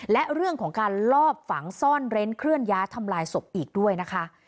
และเรื่องของการลอบฝังซ่อนเร้นเคลื่อนย้ายทำลายศพอีกด้วยนะคะ